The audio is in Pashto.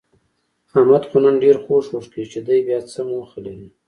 احمد خو نن ډېر خوږ خوږ کېږي، چې دی بیاڅه موخه لري؟